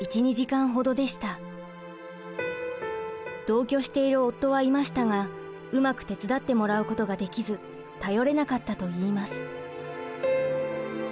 同居している夫はいましたがうまく手伝ってもらうことができず頼れなかったといいます。